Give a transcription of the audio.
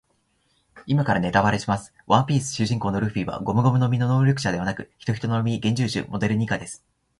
今からネタバレします。ワンピース主人公のルフィはゴムゴムの実の能力者ではなく、ヒトヒトの実幻獣種モデルニカです。